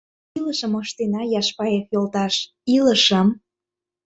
Илышым ыштена, Яшпаев йолташ, илышым!